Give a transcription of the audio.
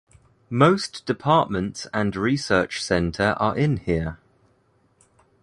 Most departments and research center are in here.